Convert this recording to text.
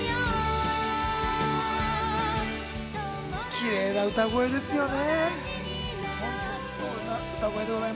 キレイな歌声ですよね。